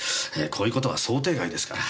こういう事は想定外ですから。